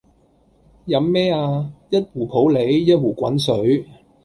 飲咩呀？一壺普洱，一壺滾水